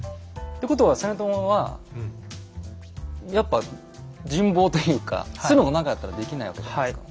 ってことは実朝はやっぱ人望というかそういうのがなかったらできないわけじゃないですか。